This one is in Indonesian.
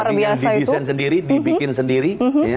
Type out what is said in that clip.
tapi yang didesain sendiri dibikin sendiri